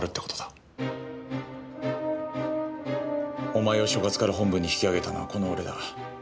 お前を所轄から本部に引き上げたのはこの俺だ。